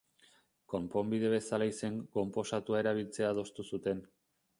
Konponbide bezala izen konposatua erabiltzea adostu zuten.